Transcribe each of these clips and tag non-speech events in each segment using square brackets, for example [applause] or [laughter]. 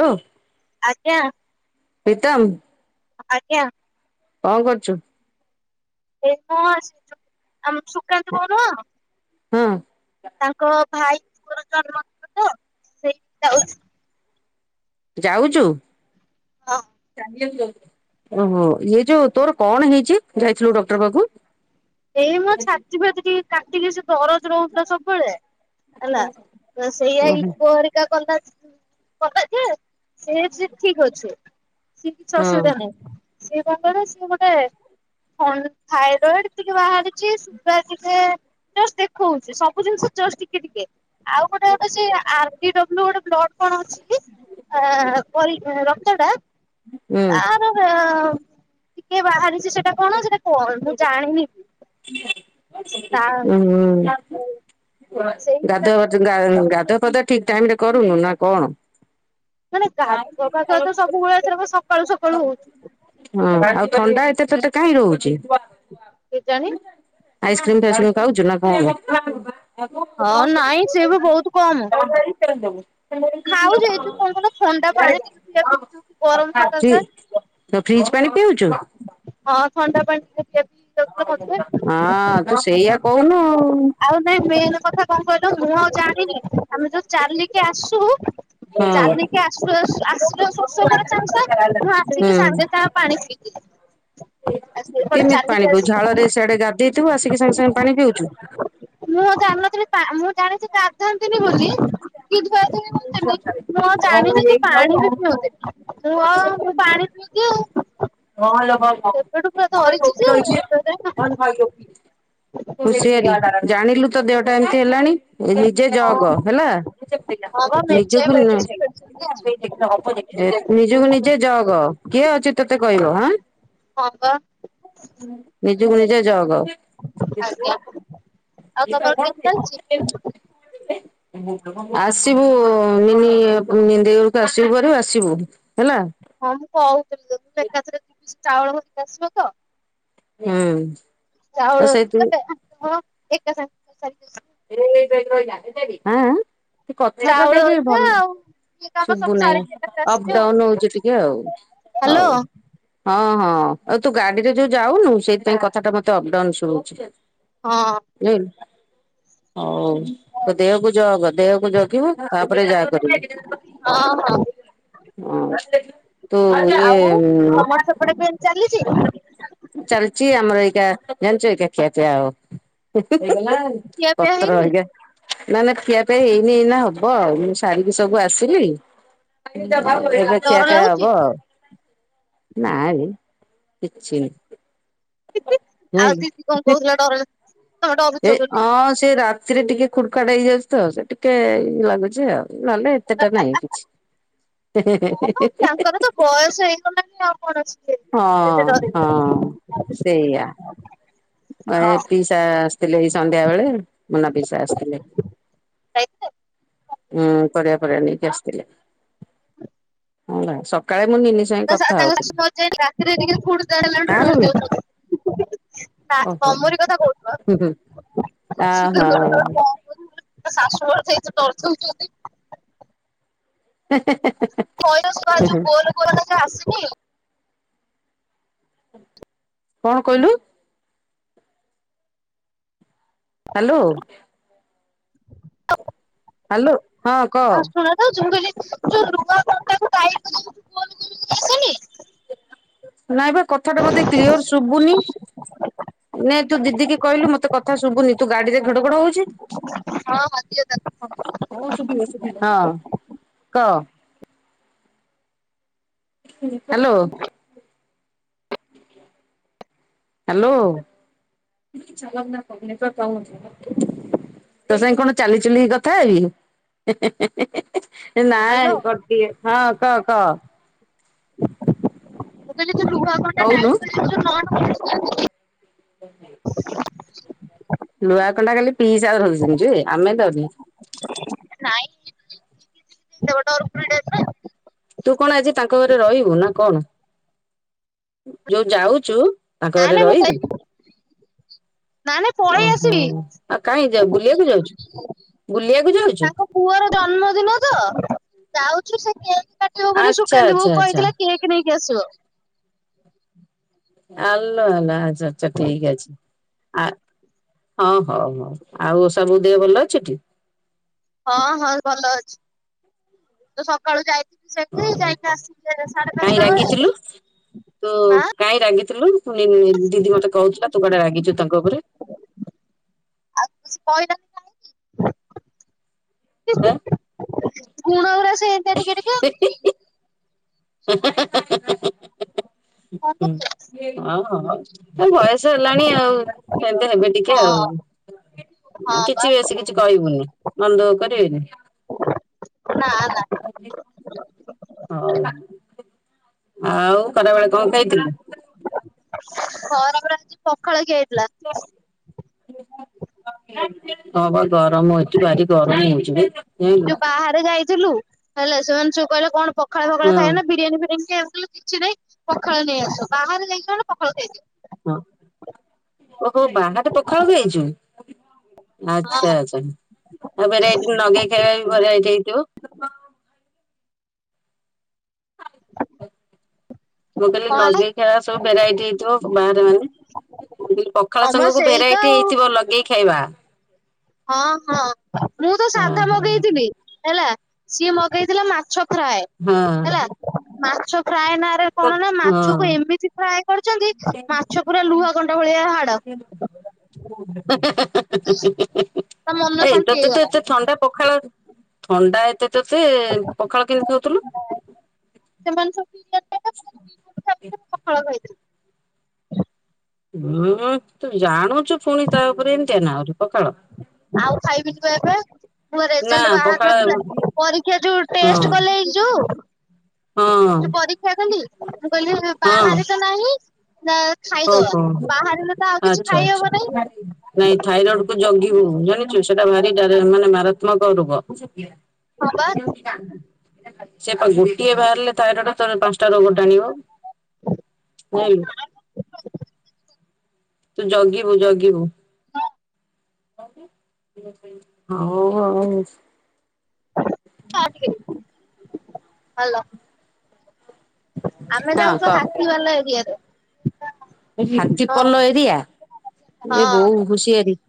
Hello ଆଜ୍ଞା ପ୍ରୀତମ୍ ଆଜ୍ଞା କଣ କରୁଛୁ? ଏ [unintelligible] ଆମ ସୁକାନ୍ତ ବୋହୂ ନୁହଁ। ହଁ। ତାଙ୍କ ଭାଇ ପୁଅର ଜନ୍ମ ଦିନ ତ ସେଇଠି ଯାଉଛି। ଯାଉଚୁ ହଁ ଓହୋ ଇଏ ଯୋଉ ତୋର କଣ ହେଇଛି ଯାଇଥିଲୁ ଡକ୍ଟର ପାଖକୁ ଏଇ ମୋ ଛାତି ଫତି ଟିକେ କାଟିକି ସେ ଦରଜ ରହୁଥିଲା ସବୁବେଳେ ହେଲା ତ ଓହୋ ସେଇଆାଇରିକା କନ୍ଦା କନ୍ଦା ସେ ସେ ଠିକ ଅଛି ସିଏ କିଛି ହଁ ଅସୁବିଧା ନାହିଁ ସେ ଭାବରେ ସିଏ ଗୋଟେ। ହଁ। ଥାଇରଏଡ଼୍। ଟିକେ ବାହାରିଛି ଟେଷ୍ଟ ଦେଖଉଛି ସବୁ ଜିନିଷଷ୍ଟ ଟିକେ ଟିକେ। ଆଉ ଗୋଟେ କଥା ଅରବିଡାବୁଲ ଗୋଟେ ବ୍ଲଡ କଣ ଅଛି ରକ୍ତ ଟା ହୁଁ ତାର। ଟିକେ ବାହାରି। ଯେ ସେଟା କଣ ସେଟା କଣ ମୁଁ ଜାଣିନି। ବି କି ତା [inaudible] ଉଁ -‌ଉଁ-ଉଁ। ସେଇ ଗୋଟା ଗାଧୁଆ [inaudible] ଟିକେ ଗାଧୁଆପାଧୁଆ ଠିକ ଟାଇମରେ କରୁନୁ ନା କଣ? ମାନେ ଗାଧୁଆ ପାାଧୁଆ ତ ସବୁବେଳେ ଏଥରକ ସକାଳୁ ସକାଳୁ ହଉଛି ହୁଁ ଆଉ ଥଣ୍ଡା ଏତେ ତତେ କାହିଁ ହଉଛି? କେଜାଣି ଆଇସ୍କ୍ରିମଟାଇସ୍କ୍ରିମ୍ ଖାଉଛୁ ନା କଣ? ହଁ ନାଇଁ ସେ ବି ବହୁତ କମ। [unintelligible] ଖାଉଛି ଏଇ ଯୋଉ କଣ କହିଲ ଥଣ୍ଡା ପାଣି ଟିକେ ପିଆପିଇ ହେଇଯାଉଛି ଗରମ ସକାଶେ। ଫ୍ରିଜ୍ ହଁ ଥଣ୍ଡା ପାଣି ଟିକେ ଟିକେ‌ ପିଇ। ହଁ ତୁ ସେଇଆ କହୁନୁ ଆଉ [inaudible] ଆଉ ନାଇଁ ମେନ୍ କଥା କଣ କହିଲ ମୁଁ ଆଉ ଜାଣିନି ଆମେ ଯୋଉ ଚାଲିକି ଆସୁ ହଁ। ହୁଁ ଚାଲିକି ଆସୁ [inaudible] ଆସିଲାଳକୁ ଶୋଷ କରେ ସାଙ୍ଗେ ସାଙ୍ଗ, ମୁଁ ଆସିକି ସାଙ୍ଗେ ପାଣି ପିଇ [inaudible] କେମିତି ପାଣି ପିଉ, ଝାଳରେ ସେଆଡେ ଗାଧେଇଥିବୁ ଆସିକି ସାଙ୍ଗେ ସାଙ୍ଗେ ପାଣି ପିଉଛୁ? ମୁଁ ଜାଣିନଥିଲି ମୁଁ ଜାଣିଛି ଗାଧାନ୍ତିନି ବୋଲି କିନ୍ତୁ [inaudible] ମୁଁ ଆଉ ଜାଣିନି କି ‌ପାଣି ବି ପିଅନ୍ତିନି, ମୁଁ ଆଉ ମୁଁ ପାଣି‌ ପିଇଦିଏ ଆଉ। ହ [inaudible] ହଁ ଲୋ ଯେ [unintelligible] ଖୁସି ହେଲି ଜାଣିଲୁ ତ ଦେହ ଏଟା ଏମିତି ହେଲାଣି। ନିଜେ ହଁ ଜଗ ହେଲା, ହଁ ବା ମେଞ୍ଚେ ନିଜକୁ ମେଡିସିନ ଫେଡିସିନ ଦେଇଛି ନି ନିଜକୁ ନିଜେ ଜଗ। କିଏ ଅଛି? ତତେ କହିବ ହାଁ। ହଁ ବା ତୁ ନିଜେ ଜଗ। [unintelligible] ଆଜ୍ଞା। ଆଉ ତମର କେମିତି ଚାଲିଛି? ଆସିବୁ ମିନି ମିନିଦେଈ ଘରକୁ ଆସିବୁ ହେରି ଆସିବୁ, ହେଲା। ହଁ ମୁଁ କହୁଥିଲି [unintelligible] ଏକାଥରେ [inaudible] ଚାଉଳ ଧରି ଆସିବ ତ। ହୁଁ। ଆଉ ଚାଉଳ [inaudible] ସେଇଥି ହଁ ପା ଏକା ସାଙ୍ଗେ ସେ ସେଲଫିସ୍। ଏଁଏଁ କଥାଟା ଚାଉଳ କାଇଁକି ହେରିକା ଭଲ ଆଉ ଇଏ କାମ ଶୁଭୁ ସବୁ ନାହିଁ? ସାରିକି ଏକାଥରେ ଅପ୍ ଆସିବି ଆଉ। ଡାଉନ୍ ହଉଛି ଟିକେ ଆଉ ହଉ ହ୍ୟାଲୋ ହଁ ହଁ ଆଉ ତୁ ଗାଡିରେ ଯୋଉ ଯାଉନୁ, ସେଇଥିପାଇଁ କଥାଟା ମତେ ଅପଡାଉନ୍ ଶୁଭୁଛି। ହଁ। ନେଉଲ। ହଉ। ତ ହଁ ଦେହକୁ ଜଗ, ଦେହକୁ ଜଗିବୁ ତାପରେ ଯାହା କରିବୁ। ହଁ ହୁଁ। ତୋ ଇଏ ଆଉ ତମର ସେପଟେ କେମିତି ଚାଲିଛି? ଚାଲଚି ଆମର ଏଇକା ଜାଣିଛ ଏଟା ଖିଆପିଆ ଆଉ। ହେଇଗଲା ଆଉ। ଖିଆ ପିଆ ପତ୍ର ହେଇନି? ଆଜ୍ଞା। ନା ନା ଖିଆ ପିଆ ହେଇନି ଏଇନା ହବ ଆଉ। ମୁଁ ସାରିକି ସବୁ ଆସିଲି। ଏବେ ଖିଆ ଡର ପିଆ ହବ ଲାଗୁଛି? ଆଉ। ନା, ରେ କିଛି ହେଇନି। ହିଁ ହିଁ ଆଉ ଦିଦି କଣ କହୁଥିଲା ଡ଼ରରେ? ଏ ଅଁ ସେଇ ରାତ ଶିରେ ଟିକେ ଖୁଡ଼୍ ଖାଡ଼୍ ହେଇଯାଉଛି ତ। ସେ ଟିକେ ଇଏ ଲାଗୁଛି ଆଉ। ନହେଲେ ଏତେ ଟା ନାହଁ କିଛି। ଗଲାଣି ଆଉ। କଣ ସିଏ କେତେ ହଁ ହଁ ଡରିବେ। ସେଇଆ। ଏ ହଁ ପିଇସା ଆସିଥିଲେ ଏଇ ସନ୍ଧ୍ୟା ବେଳେ ମୁନା ପିଇସା ଆସିଥିଲେ। ଯାଇଥିଲେ? ହୁଁ ପରିବା ଫରିବା ନେଇକି ଆସିଥିଲେ। ହେଲା ସକାଳେ ମୁଁ ନିନି ସାଙ୍ଗେ ତା କଥା ତାଙ୍କ ଶାଶୁ ହଉଥିଲି। ମରିଯାଇଥିଲା ରାତିରେ ଟିକେ ଖୁଡ୍ ତାଡ଼୍ ହେଲେ କାହାର ଡରି ବେ? ଯାଉଛନ୍ତି। ନା ଓହୋ ତମରି କଥା କହୁ ହୁଁ ହୁଁ ଅହଁ [unintelligible] ଶାଶୁ ମରିଯାଇଛି ଡରୁଛନ୍ତି ଓଲି। ମୟସୁର ଯଉ ଗୋଲ ଗୋଲଟା ଯୋଉ ଆସୁନି, କଣ କହିଲୁ? ହ୍ୟାଲୋ। [unintelligible] ହାଲୋ। ହଁ କହ ଆଉ ଶୁଣଯାଉଚି? ମୁଁ କହିଲି ଯୋଉ ରୁଆ କଣ୍ଟାକୁ ଟାଇପ ଯଉ [inaudible] ଆସେନି। ଆ ନାଇଁ ବା କଥା ଟା ମତେ କ୍ଳିଅର ଶୁଭୁନି। ନେ ତୁ ଦିଦି କି କହିଲୁ, ମତେ କଥା ଶୁଭୁନି ତୁ ଗାଡିରେ ଘଡ଼ଘଡ଼ ହଉଛି। ହଁ ଦିଅ ତାକୁ ହଁ କହ ହ୍ୟାଲୋ ହ୍ୟାଲୋ ତୋ ସାଙ୍ଗ କଣ ଚାଲିଚ କଥା ହେବି [unintelligible] ହ୍ୟାଲୋ ନାଇଁ ମୁଁ କରେ ହଁ କହ କହ। ମୁଁ କହିଲି ଯଉ ଲୁହା ହଉନୁ କଣ୍ଟା [unintelligible] [inaudible] [unintelligible] [inaudible] ଲୁହା କଣ୍ଣ୍ଡା ଖାଲି ପିଇସା ଧଉଚନ୍ତି [unintelligible] ଆମେ ଦଉନ ନାଇଁ ଦେଇଦବ ଡରକୁରି ଟାଇପ୍ ର ତୁ କଣ ଆଜି ତାଙ୍କ ଘରେ ରହିବୁ ନା କଣ ଯୋଉ ଯାଉଚୁ ନାଇଁ ନାଇଁ ମୁଁ ଫେ ନାଇଁ ନାଇଁ ପଳେଇ ଓହୋ ଆସିବି ଆଉ କାହିଁ ଯାଉ ବୁଲିବାକୁ ଯାଉଛୁ? ବୁଲିବାକୁ ଯାଉଛୁ? ତାଙ୍କ ପୁଅର ଜନ୍ମଦିନ ତ। ଯାଉଚୁ ସେ କେ କାଟିବ ବୋଲି ଆଚ୍ଛା ସୁକାନ୍ତି ଆଚ୍ଛା ବୋଉ ଆଚ୍ଛା କହିଥିଲା କେକ୍ ନେଇକି କି ଆସିବ। ଆଲୋ ଆଲୋ ଆଛା। ଆଛା ଆଛା ଠିକ୍ ଅଛି। ଆ ହଁ ହଉ ହଉ ଆଉ ଓଷା ବୋଉ ଦେହ ଭଲ ଅଛିଠି? ହଁ ହଁ ଭଲ ଅଛି ତ ସକାଳୁ ଯାଇ ହୋଉ ହୋଉ କାଇଁ ପାଞ୍ଚଟା ବେଳେ ରାଗିଥିଲୁ ତୁ ଆଁ କାଇଁ ରାଗି ଥିଲୁ। ପୁଣି ଦିଦି ମତେ କହୁଥିଲା ତୁ କୁଆଡେ ରାଗିଚୁ ତାଙ୍କ ଉପରେ? ଶ [unintelligible] ହେଁ। ଗୁଣ ଓରା ସେ [unintelligible] [unintelligible] [unintelligible] କଣ [unintelligible] ହୁଁ କରିବି [unintelligible] ଆଉ ବୟସ ହେଲାଣି ଆଉ ସେମିତ ହେବେ ଟିକେ ହଁ ଆଉ ହଁ କିଛି ବା ବେଶୀ କିଛି କହିବୁନି ମନଦୁଃଖ କରିବେନି ନା ନା ହୋଉ। ଆଉ ଖରାବେଳେ କଣ ଖାଇଥିଲୁ? ଖରାବେଳେ ପଖାଳ ଖିଆ ହେଇ ପ୍ଲା ହଁ [unintelligible] ଗରମ ହୋଉଚି ଭାରି ଗରମ ହୋଉଚି ବି ଯାଇଁଲୁ। ଯୋଉ ବାହାରେ ଯାଇଥିଲୁ ହେଲେ ସେମାନେ ସବୁ କହିଲେ କଣ ପଖାଳ ଫଖାଳ ଖାଇବା ନାଁ ବିରିୟାନି ଫିରିଆନି ଖିଆହବ? କହିଲା କିଛି ନାଇଁ ପଖାଳ ନେଇ ଆସ। ବାହାରେ ଯାଇକିନା [unintelligible] ପଖାଳ ଖାଇଚୁ। ହଁ। ଓହୋ ବାହାରେ ପଖାଳ ଖାଇଚୁ? ଆଚ୍ଛା ଆଛା ଆଉ ଫେର ଏଠି ନଗେଇ ଖିଆଟା ବି ବଡିଆ ଏଇଠି ହେଇଥିବ। [unintelligible] ମୁଁ କହିଲି କଣ ହେଲା ନଗେଇ ଖାଇବା ସବୁ ଭେରାଇଟି ହେଇଥିବ ବାହାରେ ମାନେ। ମୁଁ କହିଲି ପଖାଳ ଆମର ସାଙ୍ଗକୁ ସେଇତ ଭେରାଇଟି ଆଉ ହେଇଥିବ ଲଗେଇ ଖାଇବା। ହଁ ହଁ। ମୁଁ ତ ହଁ ସାଧା ହଁ ମଗେଇଥିଲି ହେଲା। ସିଏ ମଗେଇଥିଲା ମାଛ ଫ୍ରାଏ ହେଲା ହଁ ମା ଫ୍ରାଏ ନାଁରେ ତ କଣ ନା ହଁ। ମାଛକୁ ଏମିତି ଫ୍ରାଏ କରୁଛନ୍ତି ମାଛ ପୁରା ଲୁହା କଣ୍ଡା ଭଳିଆ ହାଡ। ତା [unintelligible] ମନ ଏଇ ଶାନ୍ତି ତତେ ତ ହେଇଗଲା ଏତେ ଥଣ୍ଡା ପଖାଳ ଥଣ୍ଡା ଏତେ ତତେ ପଖାଳ କେମତି ଖାଉଥୁଲୁ? ସେମାନେ ସବୁ ପଖାଳ [unintelligible] ହୁଁ ତୁ ଜାଣୁ ଚୁ ଫୁଣି ତା ଓପରେ ଏମିତିଆ ନାଁ ଆଉରି। ପଖାଳ। ଆଉ ଖାଇବିନି ବା ଏବେ ମୋ ନା ରେଜଲ୍ଟ ବାହାର ପଖାଳ ହଁ ନଥୁଲା ପରୀକ୍ଷା ଯୋଉ ହଁ ଟେଷ୍ଟ କଲେ ଏଇଯୋଉ ହଁ ଯୋଉ ପରୀକ୍ଷା ଦେଲି ମୁଁ କହିଲି ବାହାରେ ତ ନାହିଁ ନା ଓହୋ ଖାଇଦବା ବାହାରିଲେ ତ ଆଉ କିଛି ଆଚ୍ଛା ଆଚ୍ଛା ଖାଇହବ ନାହିଁ ନାଇଁ ଥାଇରଏଡକୁ ଜଗିବୁ ଜାଣିଚୁ ସେଟା ଭାରି ଡା ତା ମାନେ ମାରା ତ୍ମକ ରୋଗ। ହଁ ବା ସେ ପା ଗୋଟିଏ ବାହାରିଲେ ତାଇରଏଡ଼ ତୋର ପାଁଶ୍ ତାରବୁଟାଣିବ ଜାଇଁଲୁ। ତୁ ଜଗିବୁ ଜଗିବୁ। ହଉ ଆଉ। [inaudible] ହାଲ ଆମେ କହ ଯାଉଛୁ ହାତୀ ବାଲା ଏରିଆରେ। ହାତୀ ହଁ ପଲ ଏରିଆ ଏ ବୋଉ ହଁ ହୁସିଆରି।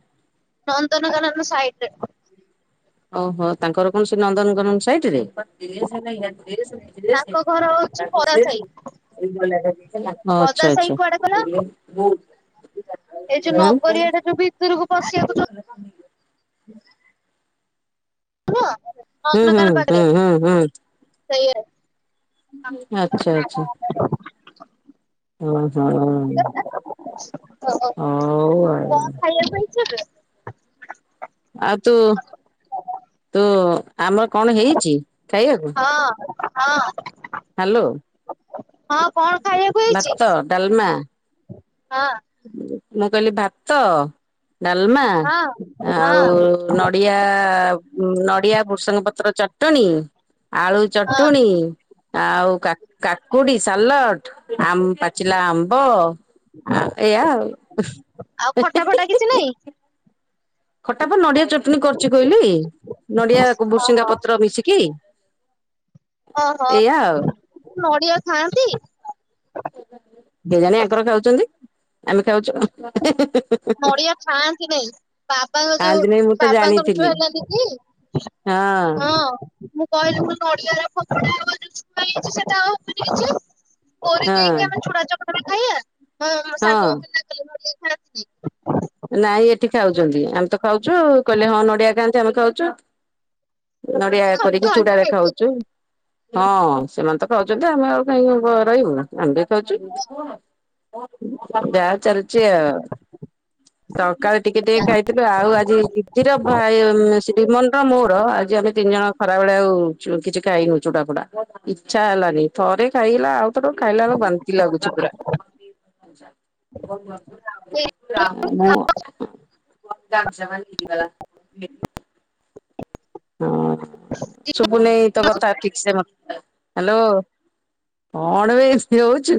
ନନ୍ଦନକାନନ ର ସାଇଟ ରେ। ଓହୋ ତାଙ୍କର କୌଣସି ନନ୍ଦନ। [unintelligible] ତାଙ୍କ ଘର ହଉଛି ପଦା ସାହି ଆଚ୍ଛା ପଦା ସାହି କୁଆଡେ କହିଲ ଆଚ୍ଛା। ଏଇ ଯୋଉ ନଗରିଆଟା ଯୋଉ ଭିତରକୁ ପଶିବାକୁ ଯୋଉ [unintelligible] ହଁ [unintelligible] ନା [unintelligible] ହୁଁ ହୁଁ ହୁଁ ହୁଁ ହୁଁ। ସେୟ [unintelligible] ଆଚ୍ଛା ଆଚଛା। ହଁ ହଁ। ହ [unintelligible] ହଁ ଭାଇ [unintelligible] [inaudible] ଆଉ ତୁ ତୁ ଆମର କଣ ହେଇଛି ଖାଇବାକୁ? ହଁ ହଁ। ହ୍ୟାଲୋ ହଁ କଣ ଖାଇବାକୁ ହେଇଛି? ଭତ ଡାଲମା ହଁ। ମୁଁ କହିଲି ଭାତ ଡାଲମା, ହଁ ହଁ ଆଉ ନଡ଼ିଆ, ନଡ଼ିଆ ବୃସଙ୍ଗ ପତ୍ର ଚଟଣିୀ, ଆଳୁ ହଁ ଚଟଣୀ ଆଉାା କାକୁଡି ସାଲାଡ ଆମ ପାଚିଲା ଆମ୍ବ ଏଇୟା ଆଉ ଖଟା ଫଟା କିଛି ନାଇଁ? ଖଟାପ ନଡିଆ ଚଟଣି କରୁଛି କହିଲି ନଡିଆ ଭୋସିଙ୍ଗା ଓହୋ ପତ୍ର ମିଶିକି ଓହୋ ଏଇଆ ଆଉ ନଡିଆ ଖାଆନ୍ତି? କେ ଜାଣେ ଆଙ୍କର ଖାଉଛନ୍ତି। ଆମେ ଖାଉଛୁ ନଡିଆ ଖାଆନ୍ତି ନାାଇଁ ବାବାଙ୍କ ଯୋଉ ଖାଆନ୍ତିନି ମୁଁ ତ ବାବାଙ୍କର ଛୁଆ ଜାଣିଥିଲି ହେଲାନ୍ତି କି? ହଁ ହଁ ମୁ କହିଲି ମୁ ନଡିଆର ଫପୋଡାବ ଯୋ ଛୁଆ ହେଇଛି ସେଟା ବୁ [unintelligible] ହଁ ଯକି ଆମେ ଛୋା ଛ [unintelligible] େ ଖାଇ [unintelligible] ହଁ ସାନ କ [unintelligible] [inaudible] ନାଇଁ ଏଠି ଖାଉଛନ୍ତି ଆମେ ତ ଖାଉଛୁ କହିଲେ ହଁ ନଡିଆ ଖାଆନ୍ତି ଆମେ ଖାଉଛୁ। ନଡିଆ ସବୁ କରିକି ଖାଆନ୍ତି ଚୂଡାରେ ଖାଇଦିଏ। ଖାଉଛୁ। ହଁ ସେମାନେ ତ ଖାଉଛନ୍ତି। ଆମେ ଆଉ କାହିଁ ରହିବୁ ଆମେ ବି ଖାଉଛୁ, ଯାହା ଚାଲିଛି ଆଉ। ସକାଳେ ଟିକେ ଟିକେ ଖାଇଥିଲୁ ଆଉ ଆଜି ଦିଦିର ଭାଇ ଶ୍ରୀମନର ମୋର ଆଜି ଆମେ ତିନି ଜଣ ଖରାବେଳେ ଆଉ କିଛି ଖାଇନୁ ଚୁଟା ଫୁଡା ଇଚ୍ଛା ହେଲାନି ଥରେ ଖାଇଲା ଆଉ [inaudible] ତ ଖାଇଲା ବେଳ ବାନ୍ତି ଲାଗୁଛି ପୁରା ମୁଁ [unintelligible] ଆଉ ମୁଁ [unintelligible] ହେଇଗଲା ଫି ହଁ ସଭୁନେଇ ତୋ କଥା ଠିକ୍ ସେ ମ ହା ଲୋ କଣ ବେ ହେଉଛୁ।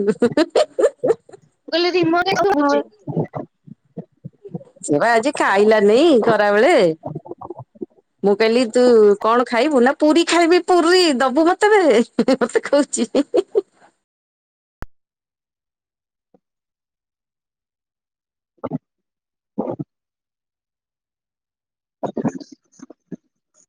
ରଖୁଛି। ସେ ବା ଆଜି ଖାଇଲାନି ଖରାବେଳେ। ମୁଁ କହିଲି ତୁ କଣ ଖାଇବୁ ନା ପୁରୀ ଖାଇବି ପୁରୀ ଦବୁ ମତେ ବେ ମତେ କହୁଛି। [unintelligible]